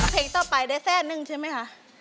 เพลงต่อไปได้แสนนึงใช่ไหมคะ